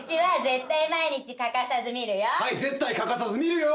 絶対欠かさず見るよ！